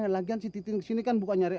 lagian si titik sini kan buka nyari